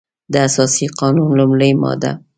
د اساسي قانون لمړۍ ماده